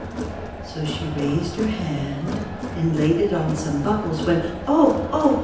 So she raised her hand and laid it on some buckles, when oh! oh!